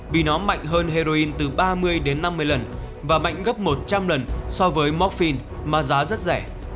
vì nó mạnh hơn heroin từ ba mươi đến năm mươi lần và mạnh gấp một trăm linh lần so với mofiel mà giá rất rẻ